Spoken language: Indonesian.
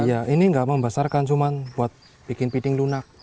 iya ini enggak membesarkan cuma buat bikin piting lunak